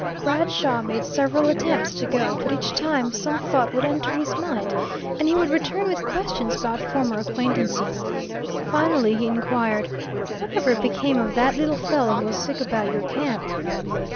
'" Bradshaw made several attempts to go, but each time some thought would enter his mind and he would return with questions about former acquaintances. Finally he inquired, "What ever became of that little fellow who was sick about your camp?"